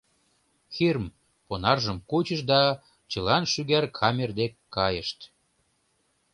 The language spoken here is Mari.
Хирм понаржым кучыш да чылан шӱгар камер дек кайышт.